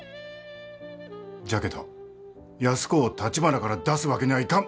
じゃけど安子をたちばなから出すわけにゃあいかん。